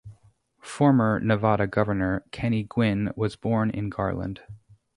Former Nevada Governor Kenny Guinn was born in Garland.